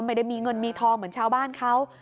ไม่ได้มีเงินมีทองเหมือนชาวบ้านเขา